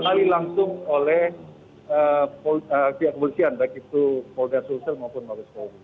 diambil alih langsung oleh pihak kepolisian baik itu folder social maupun mabes polri